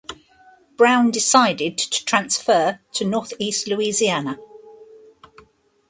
Brown decided to transfer to Northeast Louisiana.